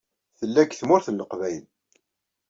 Tella deg Tmurt n Leqbayel.